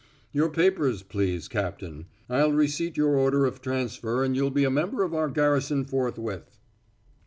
"Your papers, please, Captain. I'll receipt your order of transfer and you'll be a member of our garrison forthwith."